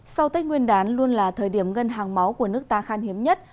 sau tết nguyên đán luôn là thời điểm ngân hàng máu của nước ta khan hiếm nhất